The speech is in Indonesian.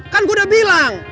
kan gua udah bilang